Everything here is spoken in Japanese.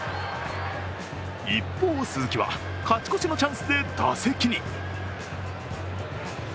一方、鈴木は勝ち越しのチャンスで打席に。